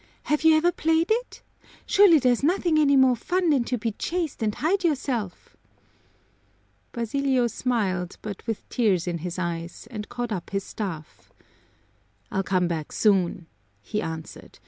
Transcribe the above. "Have you ever played it? Surely there's nothing any more fun than to be chased and hide yourself?" Basilio smiled, but with tears in his eyes, and caught up his staff. "I'll come back soon," he answered.